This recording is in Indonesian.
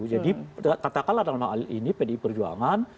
katakanlah dalam hal ini pdi perjuangan